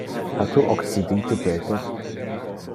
Ha tu occidite Peter?